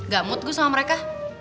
gak mood gue sama mereka